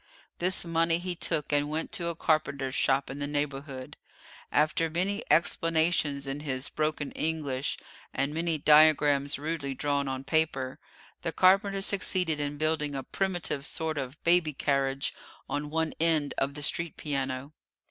This money he took and went to a carpenter's shop in the neighbourhood. After many explanations in his broken English, and many diagrams rudely drawn on paper, the carpenter succeeded in building a primitive sort of baby carriage on one end of the street piano.